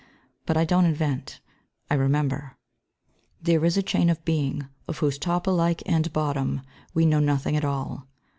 But I don't invent; I remember. There is a chain of Being of whose top alike and bottom we know nothing at all.